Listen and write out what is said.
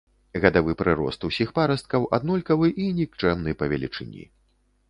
Гадавы прырост ўсіх парасткаў аднолькавы і нікчэмны па велічыні.